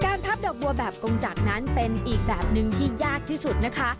พับดอกบัวแบบกงจักรนั้นเป็นอีกแบบนึงที่ยากที่สุดนะคะ